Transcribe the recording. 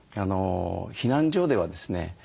避難所ではですね